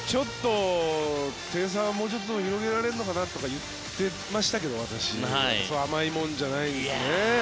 点差、もうちょっと広げられるのかなとか私、言ってましたけどそんな甘いもんじゃないですね。